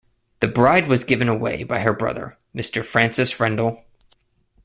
The bride was given away by her brother, Mr. Francis Rendle.